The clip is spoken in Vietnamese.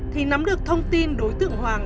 thì nắm được thông tin đối tượng hoàng